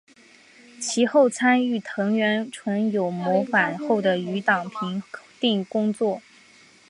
其后参与藤原纯友谋反后的余党平定工作。